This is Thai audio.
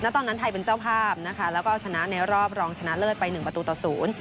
ตอนนั้นไทยเป็นเจ้าภาพแล้วก็เอาชนะในรอบรองชนะเลิศไป๑ประตูต่อ๐